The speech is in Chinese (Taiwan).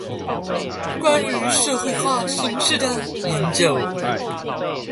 關於社會化形式的研究